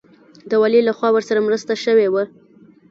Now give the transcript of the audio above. د والي لخوا ورسره مرسته شوې وه.